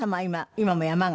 今も山形？